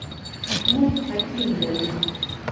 موږ حکیم لرو ؟